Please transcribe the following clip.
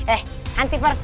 eh hansi pers